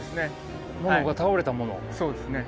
そうですね。